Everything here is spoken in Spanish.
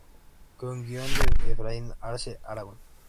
Con guion de Efraín Arce Aragón.